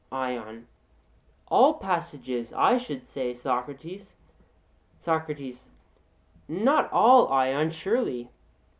ION: All passages, I should say, Socrates. SOCRATES: Not all, Ion, surely.